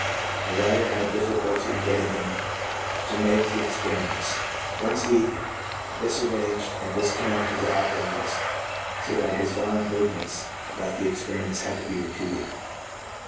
The writer had difficulty in getting him to make the experi ments; once he disarranged and disconnected the apparatus so by his violent movements that the experiments had to be repeated.